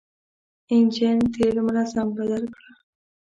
انجن تېل منظم بدل کړه.